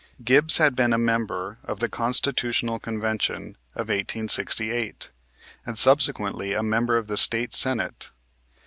Gibbs had been a member of the Constitutional Convention of 1868, and subsequently a member of the State Senate.